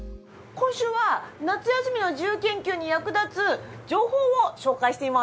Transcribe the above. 今週は夏休みの自由研究に役立つ情報を紹介しています。